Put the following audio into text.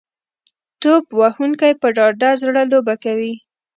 توپ وهونکي په ډاډه زړه لوبه کوي.